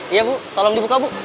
iya bu tolong dibuka bu